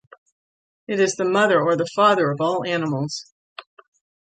It is the mother or the father of all animals.